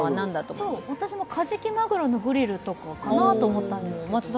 私もカジキマグロのグリルとかかなと思ったんですが。